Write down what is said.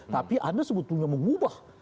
tapi anda sebetulnya mengubah